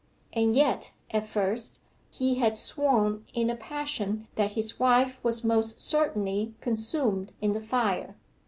And yet, at first, he had sworn in a passion that his wife was most certainly consumed in the fire.